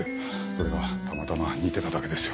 それがたまたま似てただけですよ。